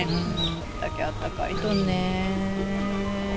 これだけあったかいとね。